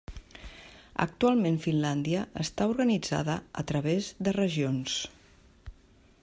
Actualment Finlàndia està organitzada a través de regions.